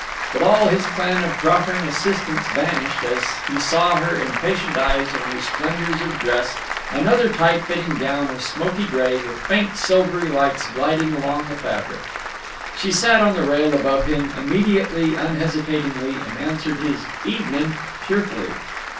But all his plan of proffering assistance vanished as he saw her impatient eyes and her splendors of dress—another tight fitting gown, of smoky gray, with faint silvery lights gliding along the fabric. She sat on the rail above him, immediately, unhesitatingly, and answered his "Evenin'" cheerfully.